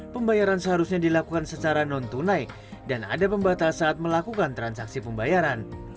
pembayaran seharusnya dilakukan secara non tunai dan ada pembatas saat melakukan transaksi pembayaran